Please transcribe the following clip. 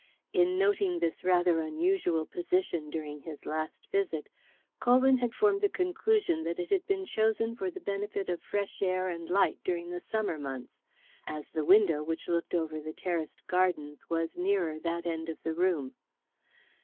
In noting this rather unusual position during his last visit, Colwyn had formed the conclusion that it had been chosen for the benefit of fresh air and light during the summer months, as the window, which looked over the terraced gardens, was nearer that end of the room.